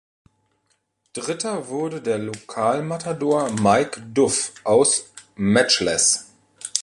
Dritter wurde der Lokalmatador Mike Duff auf Matchless.